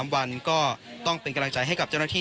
๓วันก็ต้องเป็นกำลังใจให้กับเจ้าหน้าที่